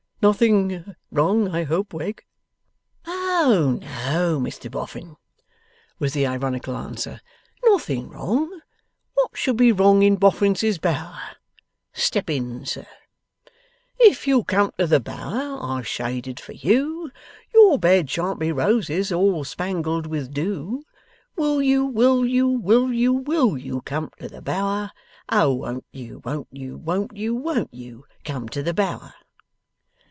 'Nothing wrong, I hope, Wegg?' 'Oh no, Mr Boffin,' was the ironical answer. 'Nothing wrong! What should be wrong in Boffinses Bower! Step in, sir.' '"If you'll come to the Bower I've shaded for you, Your bed shan't be roses all spangled with doo: Will you, will you, will you, will you, come to the Bower? Oh, won't you, won't you, won't you, won't you, come to the Bower?"